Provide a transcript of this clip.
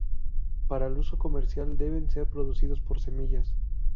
Para el uso comercial deben ser producidos por semillas.